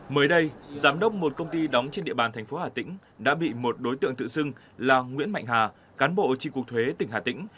mới đây giám đốc một công ty đóng trên địa bàn thành phố hà tĩnh đã bị một đối tượng tự xưng là nguyễn mạnh hà cán bộ tri cục thuế tỉnh hà tĩnh